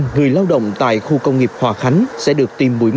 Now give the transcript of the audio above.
một trăm linh người lao động tại khu công nghiệp hòa khánh sẽ được tiêm mũi một